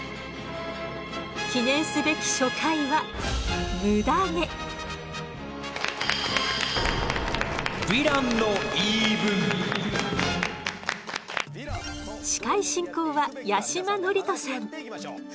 記念すべき初回は司会進行は八嶋智人さん。